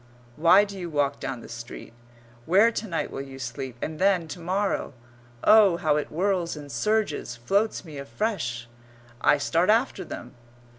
Why do you walk down the street? Where to night will you sleep, and then, to morrow? Oh, how it whirls and surges floats me afresh! I start after them.